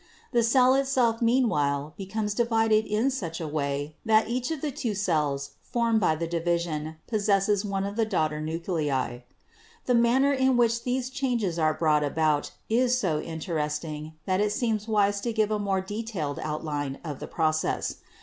The cell itself meanwhile becomes divided in such CELL DIVISION 81 a way that each of the two cells formed by the division possesses one of the daughter nuclei. The manner in which these changes are brought about is so interesting that it seems wise to give a more detailed outline of the process.